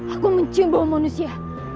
aku mencinta bau manusia